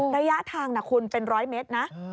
ระยะทางนะคุณเป็น๑๐๐เมตรนะ